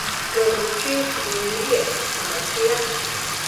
We mu chi binírire amachia.